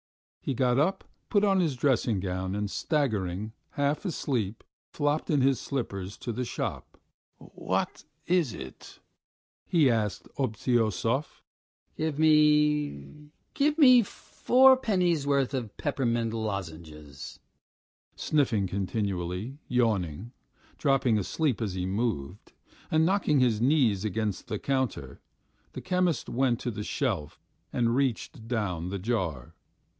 He got up, put on his dressing gown, and staggering, half asleep, flopped in his slippers to the shop. "What ... is it?" he asked Obtyosov. "Give me ... give me four pennyworth of peppermint lozenges." Sniffing continually, yawning, dropping asleep as he moved, and knocking his knees against the counter, the chemist went to the shelf and reached down the jar.